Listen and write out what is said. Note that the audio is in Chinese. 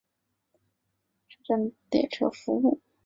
尼克路车站列车服务。